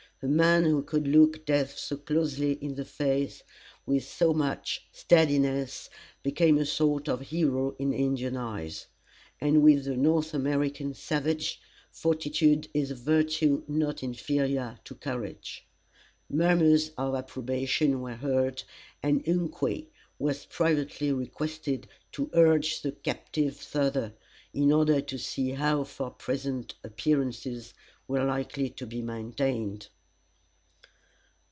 A man who could look death so closely in the face, with so much steadiness, became a sort of hero in Indian eyes; and with the North American savage, fortitude is a virtue not inferior to courage. Murmurs of approbation were heard, and Ungque was privately requested to urge the captive further, in order to see how far present appearances were likely to be maintained.